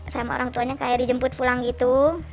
sama orang tuanya kayak dijemput pulang gitu